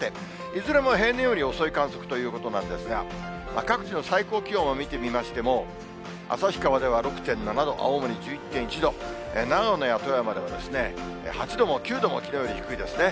いずれも平年より遅い観測ということなんですが、各地の最高気温を見てみましても、旭川では６．７度、青森１１．１度、長野や富山では、８度も９度も、きのうより低いですね。